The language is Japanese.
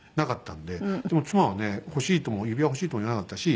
でも妻はね欲しいとも指輪欲しいとも言わなかったし。